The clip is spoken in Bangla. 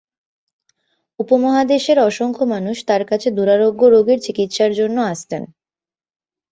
উপমহাদেশের অসংখ্য মানুষ তার কাছে দুরারোগ্য রোগের চিকিৎসার জন্য আসতেন।